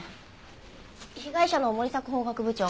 被害者の森迫法学部長